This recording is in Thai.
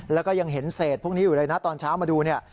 แล้วก็ยังเห็นเศษพวกนี้อยู่เลยนะตอนเช้ามาดูเนี่ย